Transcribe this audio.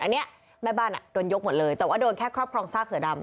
อันนี้แม่บ้านโดนยกหมดเลยแต่ว่าโดนแค่ครอบครองซากเสือดำ